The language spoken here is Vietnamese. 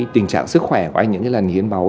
tình trạng sức khỏe của anh những lần hiến máu